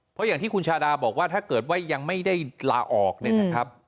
เพราะอย่างที่คุณชาดาบอกว่าถ้าเกิดว่ายังไม่ได้ลาออกเนี่ยนะครับ